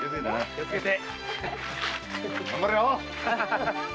気をつけて！